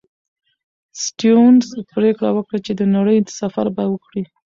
سټيونز پرېکړه وکړه چې د نړۍ سفر به وکړي.